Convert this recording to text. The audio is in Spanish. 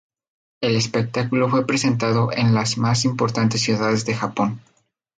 El espectáculo fue presentado en las más importantes ciudades de Japón.